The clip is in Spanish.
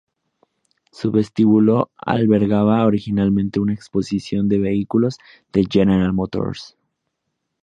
Su vestíbulo albergaba originalmente una exposición de vehículos de General Motors.